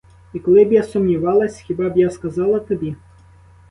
І коли б я сумнівалась, хіба б я сказала тобі?